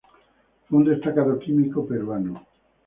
Fue un destacado químico peruano.